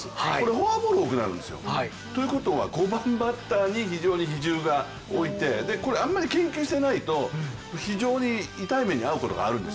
フォアボールが多くなるんですよ、ということは５番バッターに非常に比重を置いてあまり研究をしていないと非常に痛い目に遭ううことがあるんです。